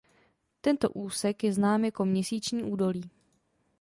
Tento úsek je znám jako Měsíční údolí.